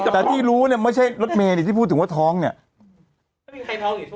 แต่ที่รู้ไม่ใช่รุ่นเราทรงเนี่ย